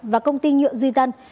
và công ty nhựa duy tân